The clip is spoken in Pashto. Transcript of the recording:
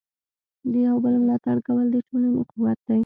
د یو بل ملاتړ کول د ټولنې قوت دی.